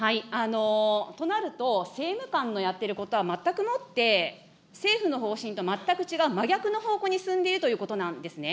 となると、政務官のやってることは、全くもって政府の方針と全く違う、真逆の方向に進んでるということなんですね。